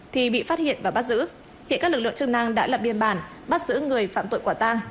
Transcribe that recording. thì bị phát hiện và bắt giữ hiện các lực lượng chức năng đã lập biên bản bắt giữ người phạm tội quả tang